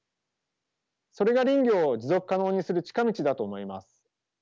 それが林業を持続可能にする近道だと思います。